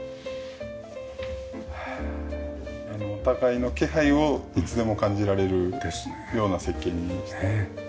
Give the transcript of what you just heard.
お互いの気配をいつでも感じられるような設計にして。